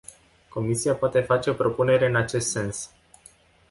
Comisia poate face o propunere în acest sens.